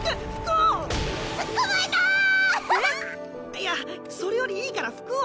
いやそれよりいいから服を！